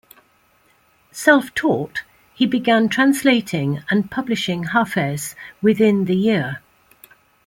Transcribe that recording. Self-taught, he began translating and publishing Hafez within the year.